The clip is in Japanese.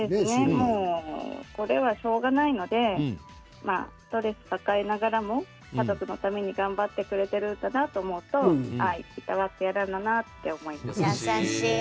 これはしょうがないのでストレス抱えながらも家族のために頑張ってくれているんだなと思うといたわってやらないといけないと思いました。